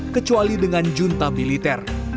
kecuali dengan junta militer